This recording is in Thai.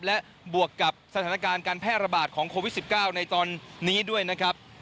และบวกกับสถานการณ์การแพร่ระบาดของโควิด๑๙ในตอนนี้ด้วยนะครับ